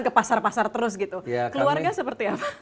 ke pasar pasar terus gitu keluarga seperti apa